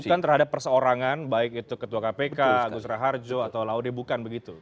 jadi bukan terhadap perseorangan baik itu ketua kpk gusra harjo atau laude bukan begitu